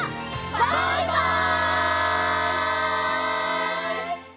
バイバイ！